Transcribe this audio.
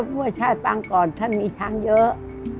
มวลชายปังกรท่านมีช้างเยอะ